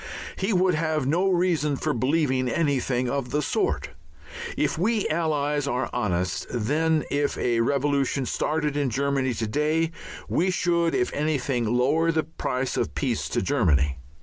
He would have no reason for believing anything of the sort. If we Allies are honest, then if a revolution started in Germany to day we should if anything lower the price of peace to Germany.